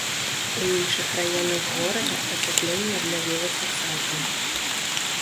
У іншых раёнах горада ацяпленне аднавілася цалкам.